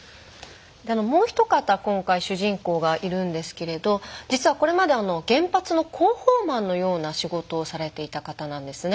もう一方今回主人公がいるんですけれど実はこれまで原発の広報マンのような仕事をされていた方なんですね。